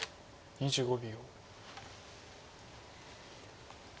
２５秒。